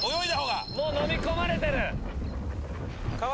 もう飲み込まれてる。